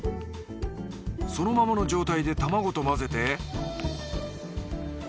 そのままの状態で卵と混ぜて。